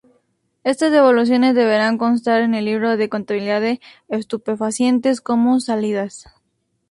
Estas devoluciones deberán constar en el libro de contabilidad de Estupefacientes como Salidas.